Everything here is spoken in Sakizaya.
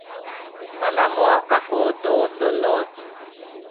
manamuh kaku tu tunuz